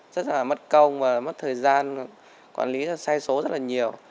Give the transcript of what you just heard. rất là mất công và mất thời gian quản lý sai số rất là nhiều